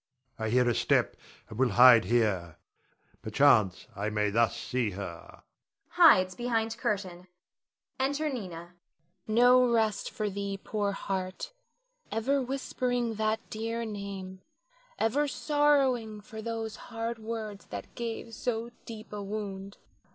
I hear a step, and will hide here, perchance I may thus see her [hides behind curtain]. [Enter Nina. Nina. No rest for thee poor heart, ever whispering that dear name, ever sorrowing for those hard words that gave so deep a wound.